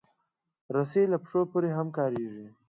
رسۍ له پښو پورې هم کارېږي.